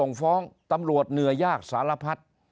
นายกรัฐมนตรีพูดเรื่องการปราบเด็กแว่น